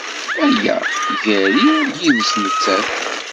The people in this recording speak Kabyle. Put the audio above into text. Aya gar-i yid-s nettat.